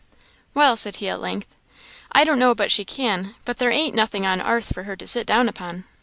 "Well," said he at length, "I don't know but she can; but there ain't nothing on 'arth for her to sit down upon."